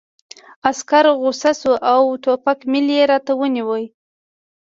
عسکر غوسه شو او د ټوپک میل یې راته ونیو